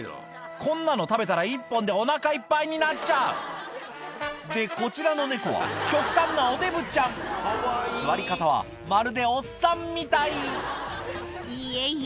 こんなの食べたら１本でお腹いっぱいになっちゃうでこちらの猫は極端なおデブちゃん座り方はまるでおっさんみたいいえいえ